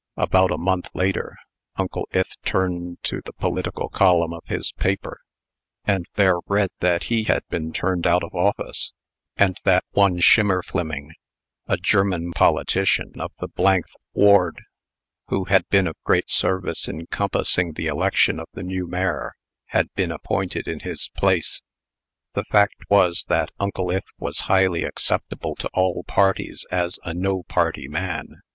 About a month later, Uncle Ith turned to the political column of his paper, and there read that he had been turned out of office, and that one Schimmerfliming a German politician of the th Ward, who had been of great service in compassing the election of the new mayor had been appointed in his place. The fact was, that Uncle Ith was highly acceptable to all parties as a no party man.